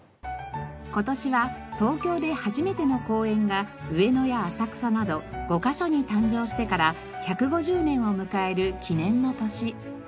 今年は東京で初めての公園が上野や浅草など５カ所に誕生してから１５０年を迎える記念の年。